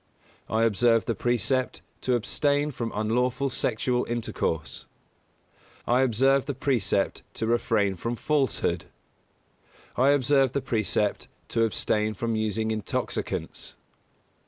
I observe the precept to abstain from unlawful sexual intercourse. I observe the precept to refrain from falsehood. I observe the precept to abstain from using intoxicants.